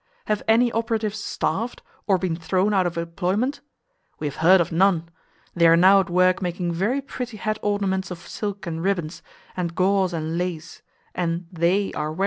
Have any operatives starved, or been thrown out of employment? We have heard of none. They are now at work making very pretty hat ornaments of silk and ribbons, and gauze and lace; and "They are wearing them."